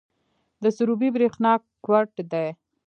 د سروبي بریښنا کوټ دی